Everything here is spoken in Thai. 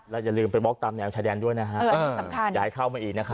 อย่าลืมไปบล็อกตามแนวชายแดนด้วยนะฮะสำคัญอย่าให้เข้ามาอีกนะครับ